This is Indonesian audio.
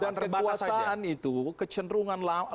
dan kekuasaan itu kecenderungan